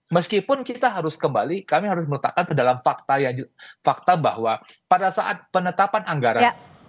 meskipun kita harus kembali kami harus meletakkan ke dalam fakta bahwa pada saat penetapan anggaran